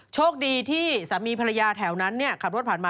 โชคดีที่สามีภรรยาแถวนั้นขับรถผ่านมา